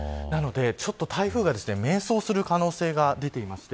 ちょっと台風が迷走する可能性が出ています。